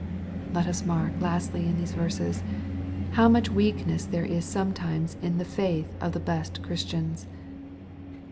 Let us mark, lastly, in these verses, how much weak ness there is sometimes in the faith of the best Christians.